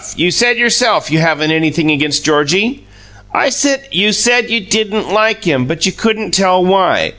You said yourself you haven't anything against Georgie." "I said " "You said you didn't like him, but you couldn't tell why.